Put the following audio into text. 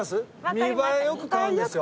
見栄え良く買うんですよ。